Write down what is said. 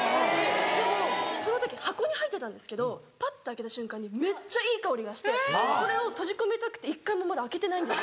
でもその時箱に入ってたんですけどぱっと開けた瞬間にめっちゃいい香りがしてそれを閉じ込めたくて一回もまだ開けてないんです。